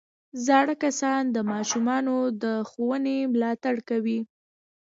زاړه کسان د ماشومانو د ښوونې ملاتړ کوي